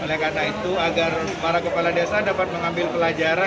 oleh karena itu agar para kepala desa dapat mengambil pelajaran